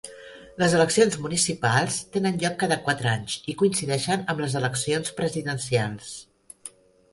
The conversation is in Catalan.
Les eleccions municipals tenen lloc cada quatre anys i coincideixen amb les eleccions presidencials.